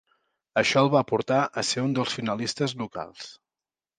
Això el va portar a ser un dels finalistes locals.